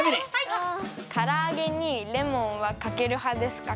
からあげにレモンはかける派ですか？